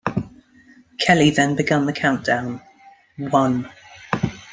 Kelly then begun the countdown, One.